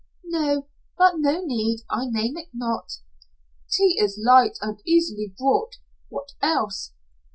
"No, but no need. I name it not." "Tea is light and easily brought. What else?"